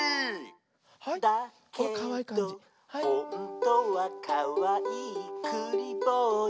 「だけどほんとはかわいいくりぼうや」